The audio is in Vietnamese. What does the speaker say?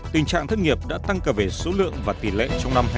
tình trạng thất nghiệp đã tăng cả về số lượng và tỷ lệ trong năm hai nghìn hai mươi